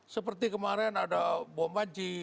seperti kemarin ada bom panci